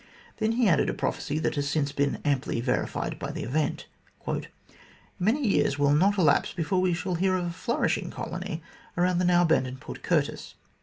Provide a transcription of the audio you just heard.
Then he added a prophecy, that has since been amply verified by the event : "Many years will not elapse before we shall hear of a nourishing colony around the now abandoned Port Curtis."